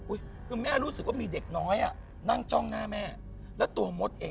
คือแม่รู้สึกว่ามีเด็กน้อยอ่ะนั่งจ้องหน้าแม่แล้วตัวมดเอง